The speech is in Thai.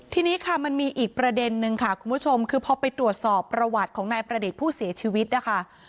ทีนี้ค่ะมันมีอีกประเด็นนึงค่ะคุณผู้ชมคือพอไปตรวจสอบประวัติของนายประดิษฐ์ผู้เสียชีวิตนะคะ